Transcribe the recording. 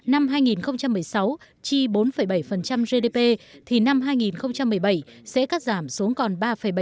năm hai nghìn một mươi sáu chi bốn bảy gdp thì năm hai nghìn một mươi bảy sẽ cắt giảm xuống còn ba bảy